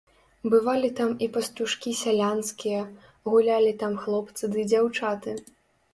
Бывалі там і пастушкі сялянскія, гулялі там хлопцы ды дзяўчаты.